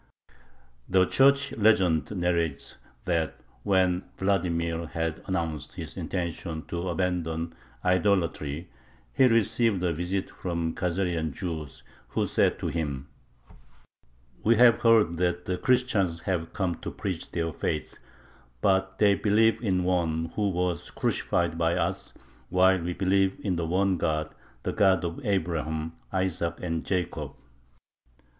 The church legend narrates that when Vladimir had announced his intention to abandon idolatry, he received a visit from Khazarian Jews, who said to him: "We have heard that the Christians have come to preach their faith, but they believe in one who was crucified by us, while we believe in the one God, the God of Abraham, Isaac, and Jacob."